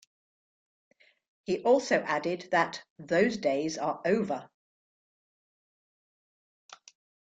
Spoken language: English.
He also added that "those days are over".